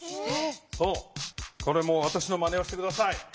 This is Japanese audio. これもわたしのまねをして下さい。